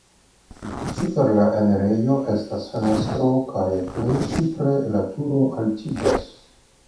Super la enirejo estas fenestro kaj plej supre la turo altiĝas.